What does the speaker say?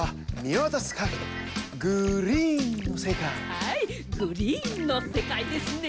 はいグリーンのせかいですね。